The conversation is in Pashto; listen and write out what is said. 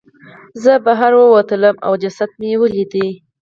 زه بهر ته ووتلم او جسد مې ولید.